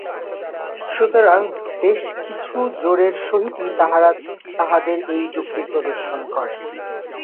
সুতরাং বেশ কিছু জোরের সহিতই তাঁহারা তাঁহাদের এই যুক্তি প্রদর্শন করেন।